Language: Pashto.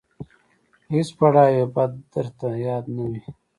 په هیڅ پړاو یې بد درته یاد نه وي.